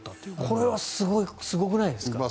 これはすごくないですか。